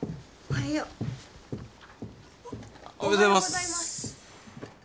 おはようございます。